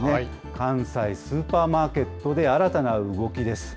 関西スーパーマーケットで新たな動きです。